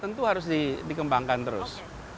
tentu harus dikembangkan terus